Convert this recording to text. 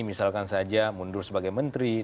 misalkan saja mundur sebagai menteri